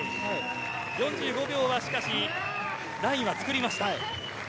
４５秒はラインは作りました。